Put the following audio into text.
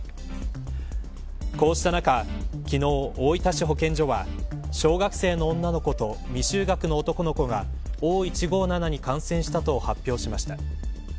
こうした中昨日、大分市保健所は小学生の女の子と未就学の男の子がＯ１５７に感染したと発表しました。